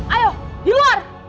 ayo di luar